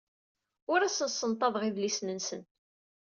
Ur asen-ssenṭaḍeɣ idlisen-nsen.